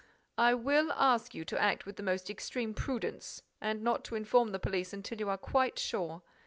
"I will ask you to act with the most extreme prudence and not to inform the police until you are quite sure.